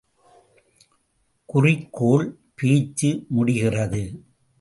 குறிக்கோள் பேச்சு முடிகிறது.